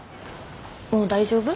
もう大丈夫？